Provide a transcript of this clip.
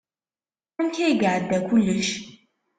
Amek ay iɛedda kullec?